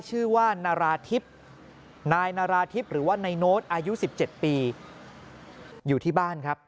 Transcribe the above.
ชื่อว่านาราธิบนายนาราธิบหรือว่านายโน้ตอายุ๑๗ปีอยู่ที่บ้านครับ